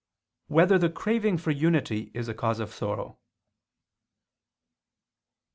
3] Whether the Craving for Unity Is a Cause of Sorrow?